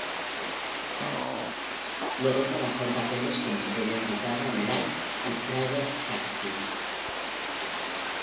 Luego, trabajó en papeles como estrella invitada en "Life" y "Private Practice".